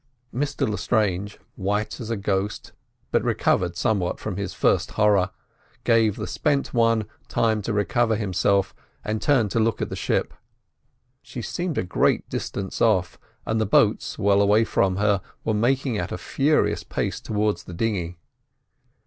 Mr Lestrange, white as a ghost, but recovered somewhat from his first horror, gave the Spent One time to recover himself and turned to look at the ship. She seemed a great distance off, and the boats, well away from her, were making at a furious pace towards the dinghy.